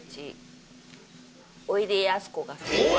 おいでやすこがさん。